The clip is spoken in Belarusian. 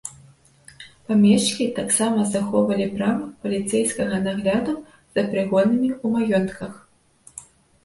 Памешчыкі таксама захоўвалі права паліцэйскага нагляду за прыгоннымі ў маёнтках.